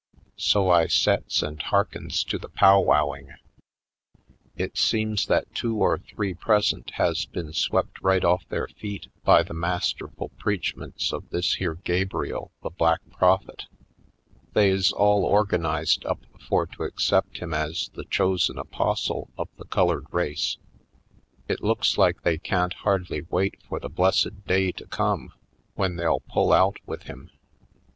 So I sets and hearkens to the pow wow ing. It seems that two or three present has been swept right ofif their feet by the m.ast erful preachments of this here Gabriel the Black Prophet. They is all organized up for to accept him as the chosen apostle of the colored race. It looks like they can't hardly wait for the blessed day to come when they'll pull out with him.